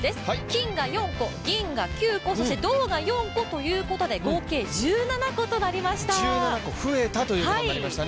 金が４個、銀が９個、そして銅が４個ということで合計１７個ということになりました。